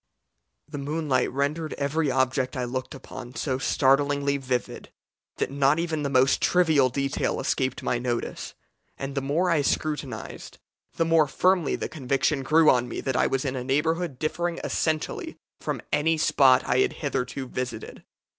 The moonlight rendered every object I looked upon so startlingly vivid, that not even the most trivial detail escaped my notice, and the more I scrutinized the more firmly the conviction grew on me that I was in a neighbourhood differing essentially from any spot I had hitherto visited.